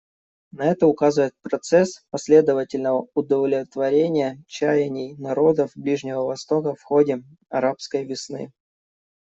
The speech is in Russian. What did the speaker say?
На это указывает процесс последовательного удовлетворения чаяний народов Ближнего Востока в ходе «арабской весны».